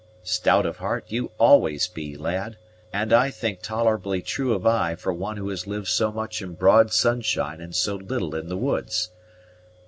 "Stout of heart you always be, lad, and I think tolerably true of eye for one who has lived so much in broad sunshine and so little in the woods.